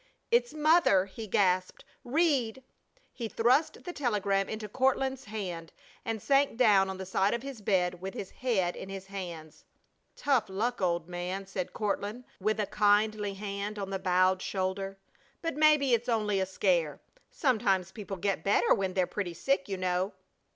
"It's mother!" he gasped. "Read!" He thrust the telegram into Courtland's hand and sank down on the side of his bed with his head in his hands. "Tough luck, old man!" said Courtland, with a kindly hand on the bowed shoulder. "But maybe it's only a scare. Sometimes people get better when they're pretty sick, you know."